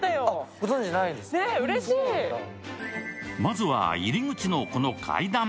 まずは入り口のこの階段。